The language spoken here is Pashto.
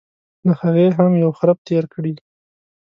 له هغې هم یو خرپ تېر کړي.